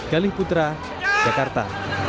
galih putra jakarta